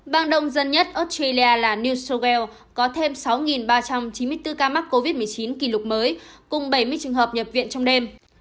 bang đông dân nhất australia là new south wales có thêm sáu ba trăm chín mươi bốn ca mắc covid một mươi chín kỷ lục mới cùng bảy mươi trường hợp nhập viện trong đêm